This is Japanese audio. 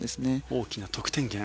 大きな得点源。